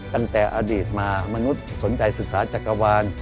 ตั้งแต่อดีตมามนุษย์สนใจศึกษาจักรวาล